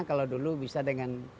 kalau dulu bisa dengan